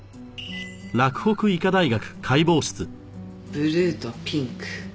ブルーとピンク。